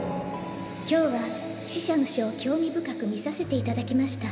「今日は死者の書を興味深く見させて頂きました。